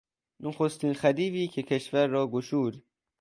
نخستین خدیوی که کشور گشود...